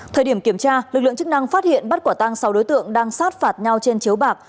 thời điểm kiểm tra lực lượng chức năng phát hiện bắt quả tăng sáu đối tượng đang sát phạt nhau trên chiếu bạc